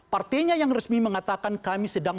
partainya yang resmi mengatakan kami sedang